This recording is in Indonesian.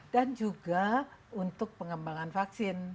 dan juga untuk pengembangan vaksin